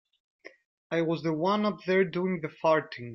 I was the one up there doing the farting.